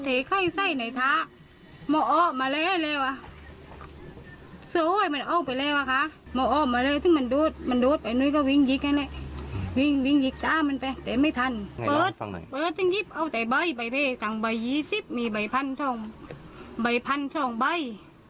เอาแต่ใบใบเฟสังใบยี่สิบมีใบพันช่องใบพันช่องใบ